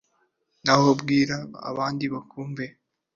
naho ab'iburengero bwaryo barumirwa